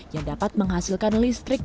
yang dapat menghasilkan listrik